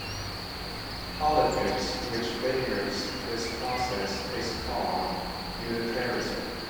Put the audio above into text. Politics which favors this process is called unitarism.